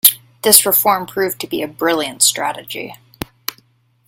This reform proved to be a brilliant strategy.